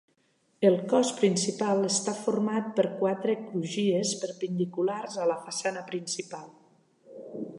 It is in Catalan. El cos principal està format per quatre crugies perpendiculars a la façana principal.